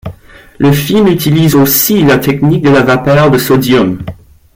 Le film utilise aussi la technique de la vapeur de sodium.